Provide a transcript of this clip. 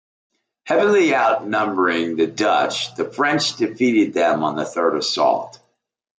Heavily outnumbering the Dutch, the French defeated them on the third assault.